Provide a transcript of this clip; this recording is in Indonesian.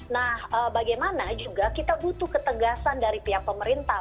nah bagaimana juga kita butuh ketegasan dari pihak pemerintah